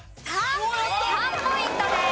３。３ポイントです。